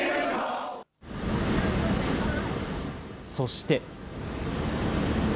そして。